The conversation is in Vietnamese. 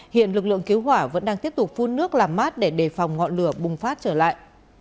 hiện lực lượng cứu hỏa vẫn đang tiếp tục phun nước làm mát để đề phòng ngọn lửa bùng phát trở lại